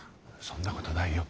そんなことないよ。